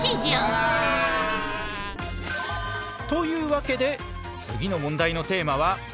わあ。というわけで次の問題のテーマは「空気」。